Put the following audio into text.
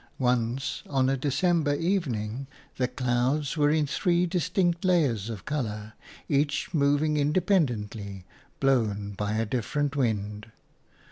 Once on a December evening the clouds were in three distinct layers of colour, each moving independently, blown by a different wind.